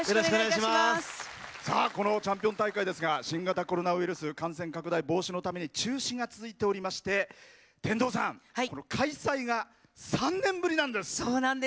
この「チャンピオン大会」ですが新型コロナウイルス感染拡大防止のために中止が続いておりまして天童さん開催が３年ぶりなんです。